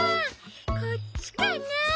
こっちかな？